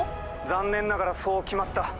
残念ながらそう決まった。